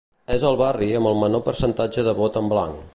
És el barri amb el menor percentatge de vot en blanc.